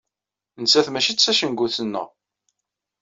Nettat mačči d tacengut-nneɣ.